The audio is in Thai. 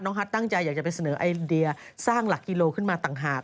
ฮัทตั้งใจอยากจะไปเสนอไอเดียสร้างหลักกิโลขึ้นมาต่างหาก